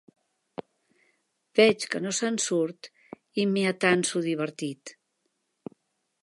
Veig que no se'n surt i m'hi atanso divertit.